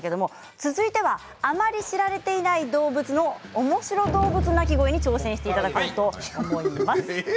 続いてはあまり知られていない動物のおもしろ動物鳴き声に挑戦していただこうと思います。